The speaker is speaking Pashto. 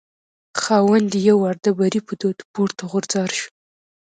خاوند یې یو وار د بري په دود پورته غورځار شو.